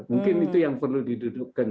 mungkin itu yang perlu didudukkan